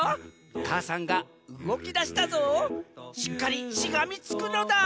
母山がうごきだしたぞしっかりしがみつくのだ！